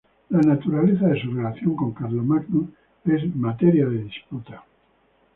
La naturaleza de su relación con Carlomagno es materia de disputa.